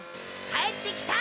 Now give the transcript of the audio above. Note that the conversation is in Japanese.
帰ってきた！